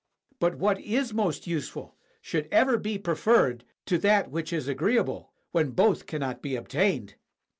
But what is most useful should ever be preferred to that which is agreeable, when both cannot be obtained.